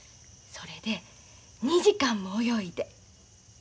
それで２時間も泳いで。